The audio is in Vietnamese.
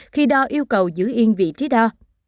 khi đo yêu cầu giữ yên vị trí đo